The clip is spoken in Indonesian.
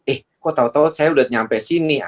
eh kok tau tau saya sudah sampai sini